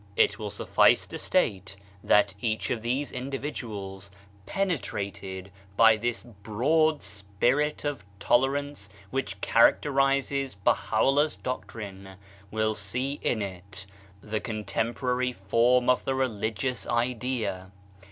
It will suffice to state that each of these individuals, penetrated by this broad spirit of tolerance which characterises BahaVllah's doctrine, will see in it the contemporary form of the religious idea.